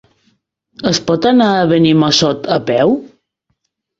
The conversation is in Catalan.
Es pot anar a Benimassot a peu?